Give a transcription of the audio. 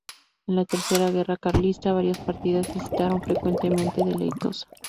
En la Tercera Guerra Carlista, varias partidas visitaron frecuentemente Deleitosa.